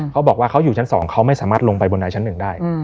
เขาบอกว่าเขาอยู่ชั้น๒เขาไม่สามารถลงไปบนใดชั้น๑ได้